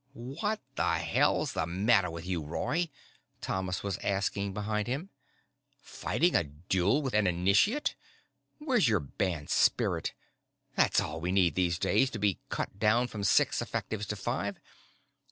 "What the hell's the matter with you, Roy?" Thomas was asking behind him. "Fighting a duel with an initiate? Where's your band spirit? That's all we need these days, to be cut down from six effectives to five.